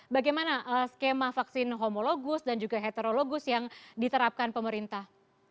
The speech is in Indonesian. bagaimana skema vaksin homologus dan juga heterologus yang diterapkan pemerintah